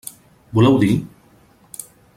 Voleu dir?